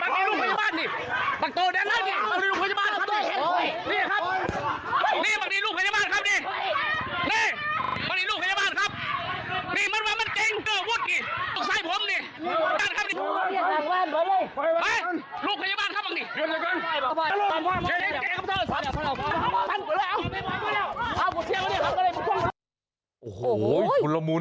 อ้าวโหกูเชียวแล้วบ้าน